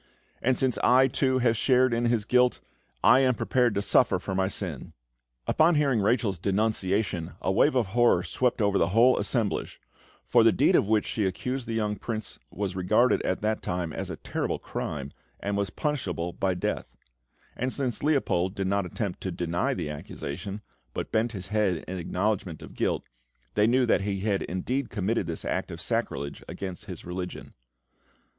"And, since I, too, have shared in his guilt, I am prepared to suffer for my sin!" Upon hearing Rachel's denunciation a wave of horror swept over the whole assemblage, for the deed of which she accused the young Prince was regarded at that time as a terrible crime, and was punishable by death; and since Leopold did not attempt to deny the accusation, but bent his head in acknowledgment of guilt, they knew that he had indeed committed this act of sacrilege against his religion.